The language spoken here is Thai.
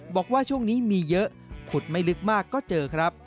บอกว่าช่วงนี้มีเยอะขุดไม่ลึกมากก็เจอครับ